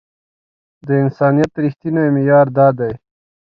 د انسانيت رښتينی معيار دا دی.